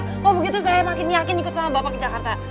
kalau begitu saya makin yakin ikut sama bapak ke jakarta